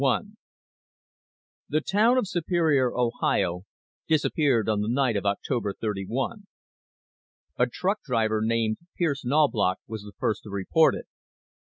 I The town of Superior, Ohio, disappeared on the night of October 31. A truck driver named Pierce Knaubloch was the first to report it.